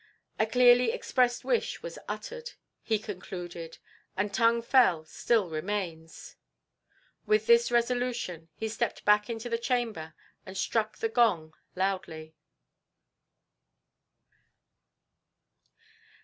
"A clearly expressed wish was uttered," he concluded, "and Tung Fel still remains." With this resolution he stepped back into the chamber and struck the gong loudly.